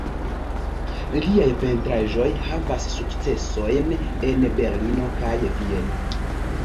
Liaj pentraĵoj havis sukcesojn en Berlino kaj Vieno.